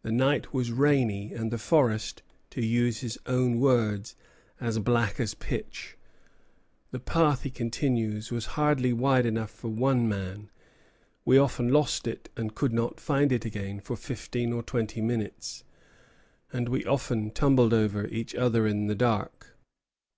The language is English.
The night was rainy, and the forest, to use his own words, "as black as pitch." "The path," he continues, "was hardly wide enough for one man; we often lost it, and could not find it again for fifteen or twenty minutes, and we often tumbled over each other in the dark."